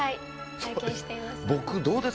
拝見しています。